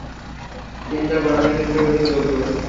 তিনি তা বর্ণনার ক্ষেত্রে অধিক যোগ্য।